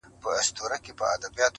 پاچا پورته په کړکۍ په ژړا سو٫